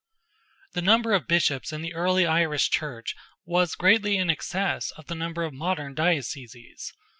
The number of Bishops in the early Irish Church was greatly in excess of the number of modern dioceses.